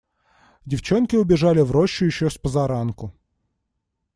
Девчонки убежали в рощу еще спозаранку.